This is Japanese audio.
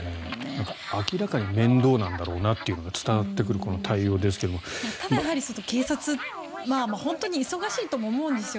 明らかに面倒なんだろうなというのが伝わってくるただ、警察は本当に忙しいとも思うんですよ。